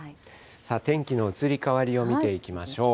さあ、天気の移り変わりを見ていきましょう。